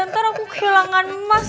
ntar aku kehilangan mas